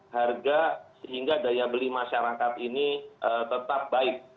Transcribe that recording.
harga sehingga daya beli masyarakat ini tetap baik